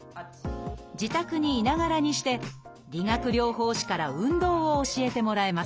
自宅にいながらにして理学療法士から運動を教えてもらえます。